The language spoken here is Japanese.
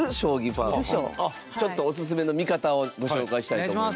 ちょっと、オススメの見方をご紹介したいと思います。